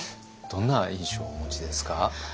どんな印象をお持ちですか？